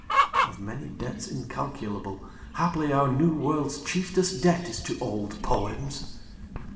(Of many debts incalculable, Haply our New World's chieftest debt is to old poems.)